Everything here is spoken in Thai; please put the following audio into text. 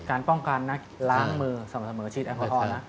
การป้องกันนะล้างมือสำหรับเหมือชีดแอลกอทอลนะ